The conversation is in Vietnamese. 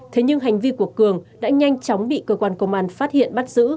thế nhưng hành vi của cường đã nhanh chóng bị cơ quan công an phát hiện bắt giữ